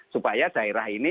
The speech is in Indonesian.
supaya daerah ini